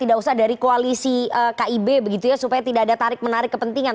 tidak usah dari koalisi kib begitu ya supaya tidak ada tarik menarik kepentingan